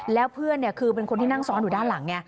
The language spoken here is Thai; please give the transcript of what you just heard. แล้วเพื่อนคือเป็นคนที่นั่งซ้อนอยู่ด้านหลังไง